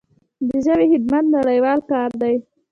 د ژبې خدمت نړیوال کار دی.